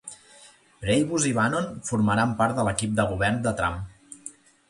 Preibus i Bannon formaran part de l'equip de govern de Trump.